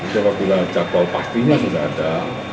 jawabannya cakol pastinya sudah ada